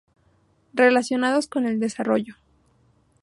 Relacionados con el desarrollo